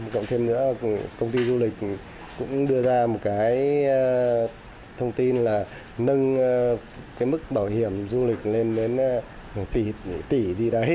cộng thêm nữa là công ty du lịch cũng đưa ra một cái thông tin là nâng cái mức bảo hiểm du lịch lên đến tỷ gì đấy